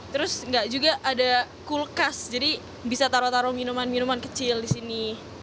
terus nggak juga ada kulkas jadi bisa taruh taruh minuman minuman kecil di sini